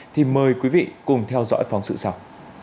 thì mời quý vị cùng theo dõi phóng sự sau